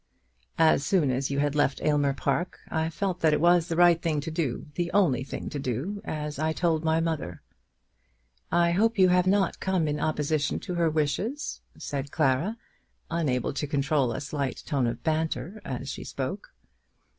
"As soon as you had left Aylmer Park I felt that it was the right thing to do; the only thing to do, as I told my mother." "I hope you have not come in opposition to her wishes," said Clara, unable to control a slight tone of banter as she spoke.